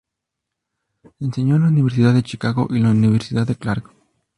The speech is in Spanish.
Enseñó en la Universidad de Chicago y la Universidad de Clark.